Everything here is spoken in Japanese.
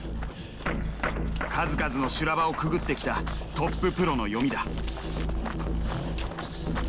数々の修羅場をくぐってきたトッププロの読みだ。